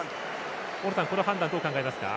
大野さん、この判断どう考えますか？